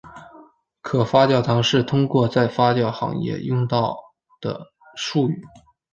可发酵糖是通常在发酵行业用到的术语。